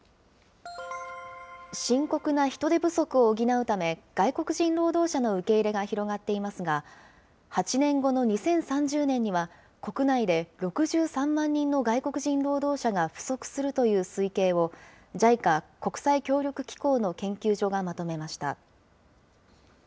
深刻な人手不足を補うため、外国人労働者の受け入れが広がっていますが、８年後の２０３０年には国内で６３万人の外国人労働者者が不足するという推計を、ＪＩＣＡ・国際協力機構の研究所がまとめました。